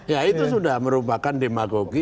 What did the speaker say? ya itu sudah merupakan demagogi